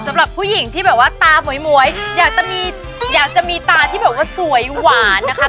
สำหรับผู้หญิงที่แบบว่าตาหมวยอยากจะมีอยากจะมีตาที่แบบว่าสวยหวานนะคะ